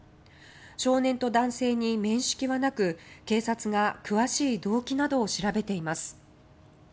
少年と男性に面識はなく警察が詳しい動機などを調べています。